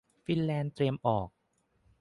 ฟินแลนด์เตรียมออก